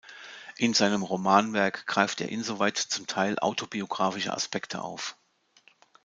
In seinem Romanwerk greift er insoweit zum Teil autobiografische Aspekte auf.